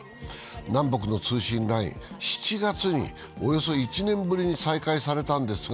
南北の通信ライン、７月におよそ１年ぶりに再開されたんですが、